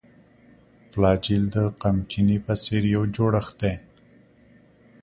فلاجیل د قمچینې په څېر یو جوړښت دی.